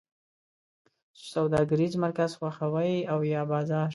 سوداګریز مرکز خوښوی او یا بازار؟